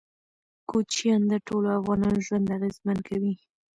کوچیان د ټولو افغانانو ژوند اغېزمن کوي.